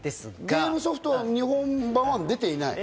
ゲームソフトは日本版は出てない？